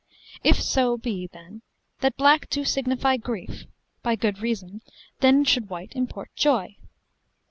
If so be, then, that black do signify grief, by good reason then should white import joy.